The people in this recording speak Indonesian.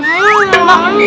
belom gak makan dong